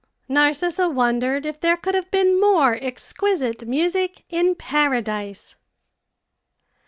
Narcissa wondered if there could have been more exquisite music in paradise.